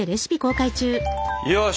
よし！